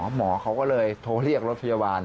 หมอเขาก็เลยโทรเรียกรถพยาบาล